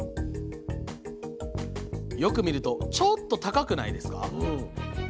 よく見るとちょっと高くないですか？